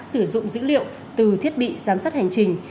sử dụng dữ liệu từ thiết bị giám sát hành trình